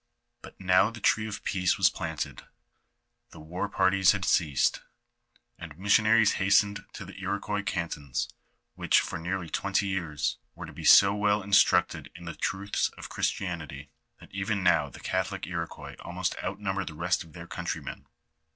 But now the tree of peace was planted, the war parties had ceased, and missionaries hastened to the Iroquois cantons, which, for nearly twenty yeara, were to be so well instructed in the truths of Christianity, that even now the catholic Iro quois almost outnumber the rest of their countrymen.